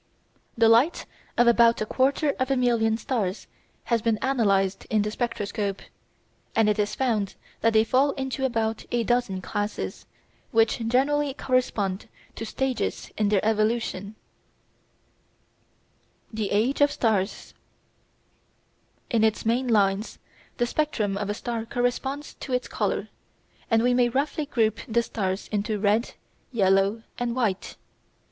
The light of about a quarter of a million stars has been analysed in the spectroscope, and it is found that they fall into about a dozen classes which generally correspond to stages in their evolution (Fig. 21). The Age of Stars In its main lines the spectrum of a star corresponds to its colour, and we may roughly group the stars into red, yellow, and white.